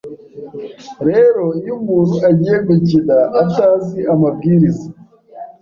Rero iyo umuntu agiye gukina atazi amabwiriza